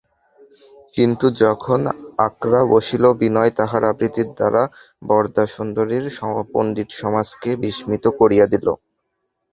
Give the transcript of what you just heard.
কিন্তু যখন আখড়া বসিল, বিনয় তাহার আবৃত্তির দ্বারা বরদাসুন্দরীর পণ্ডিতসমাজকে বিস্মিত করিয়া দিল।